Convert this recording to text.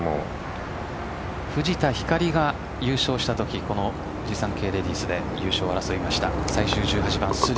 藤田光里が優勝したときこのフジサンケイレディスで優勝を争いました。